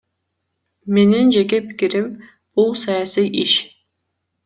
Менин жеке пикирим — бул саясий иш.